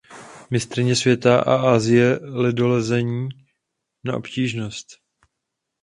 Mistryně světa a Asie v ledolezení na obtížnost.